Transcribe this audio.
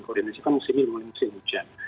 karena musim ini mulai musim hujan